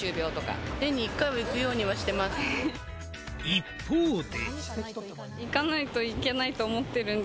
一方で。